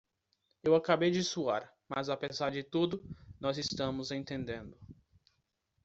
Eu acabei de suar, mas apesar de tudo, nós estamos entendendo.